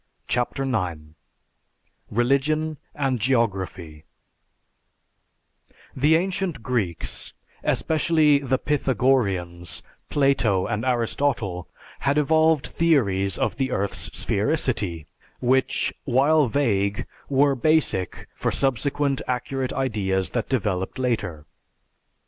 CHAPTER IX RELIGION AND GEOGRAPHY The ancient Greeks, especially the Pythagoreans, Plato, and Aristotle, had evolved theories of the earth's sphericity, which, while vague, were basic for subsequent accurate ideas that developed later.